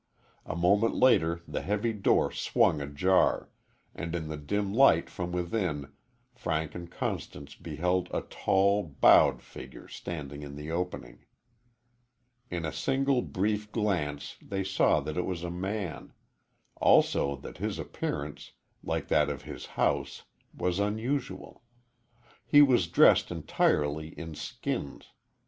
A moment later the heavy door swung ajar, and in the dim light from within Frank and Constance beheld a tall bowed figure standing in the opening. In a single brief glance they saw that it was a man also that his appearance, like that of his house, was unusual. He was dressed entirely in skins.